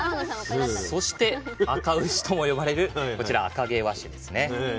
そしてあか牛とも呼ばれるこちら褐毛和種ですね。